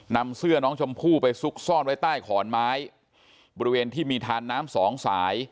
นำเสื้อน้องชมพู่ไปซุกซ่อนไว้ใต้ขอนไม้บริเวณที่มีทานน้ำสองสาย